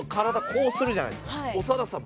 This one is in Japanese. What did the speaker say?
こうするじゃないですか長田さん